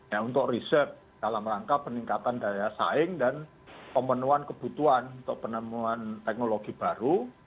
ya untuk riset dalam rangka peningkatan daya saing dan pemenuhan kebutuhan untuk penemuan teknologi baru